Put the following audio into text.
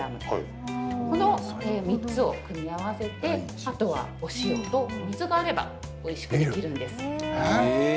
この３つを組み合わせてあとは塩と水があればおいしくできるんです。